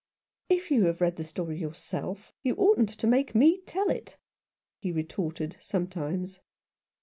" If you have read the story yourself you oughtn't to make me tell it he," retorted some times.